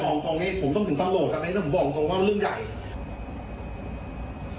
ผมต้องถึงตั้งโหลดตอนนี้ต้องมองตรงว่าเรื่องใหญ่